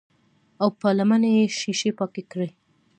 او پۀ لمنه يې شيشې پاکې کړې